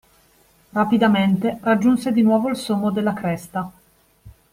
Rapidamente raggiunse di nuovo il sommo della cresta